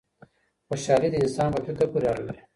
خوشحالي د انسان په فکر پوري اړه لري.